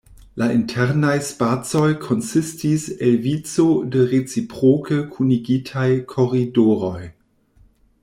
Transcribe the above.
La internaj spacoj konsistis el vico de reciproke kunigitaj koridoroj.